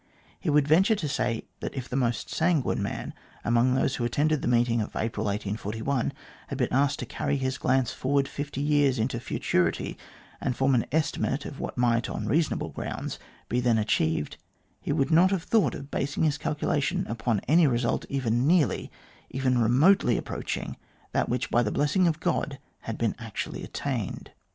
He would venture to say that if the most sanguine man among those who attended the meeting of April, 1841, had been asked to carry his glance forward fifty years into futurity, and form an estimate of what might, on reasonable grounds, be then achieved, he would not have thought of basing his calcula tions upon any result even nearly, even remotely approach ing that which, by the blessing of God, had been actually attained.